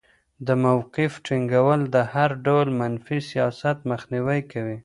د موقف ټینګول د هر ډول منفي سیاست مخنیوی کوي.